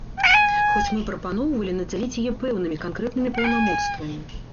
Хоць мы прапаноўвалі надзяліць яе пэўнымі, канкрэтнымі паўнамоцтвамі.